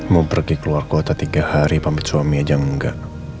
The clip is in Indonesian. mau pergi keluar kota tiga hari pamit suami aja enggak